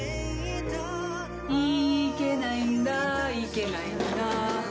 いけないんだいけないんだ